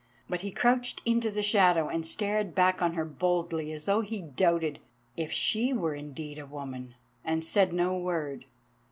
But he crouched into the shadow and stared back on her boldly as though he doubted if she were indeed a woman, and said no word.